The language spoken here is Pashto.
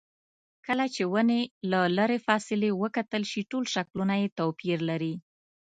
کله چې ونې له لرې فاصلې وکتل شي ټول شکلونه یې توپیر لري.